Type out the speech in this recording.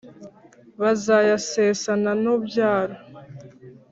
bazayasesana n`ubyaro